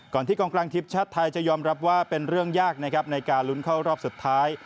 ที่กองกลางทีมชาติไทยจะยอมรับว่าเป็นเรื่องยากนะครับในการลุ้นเข้ารอบสุดท้าย